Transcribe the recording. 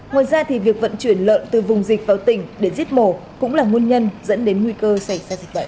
ngoài ra việc vận chuyển lợn từ vùng dịch vào tỉnh để giết mổ cũng là nguồn nhân dẫn đến nguy cơ xảy ra dịch bệnh